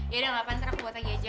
yaudah nggak pantrak gue tagih aja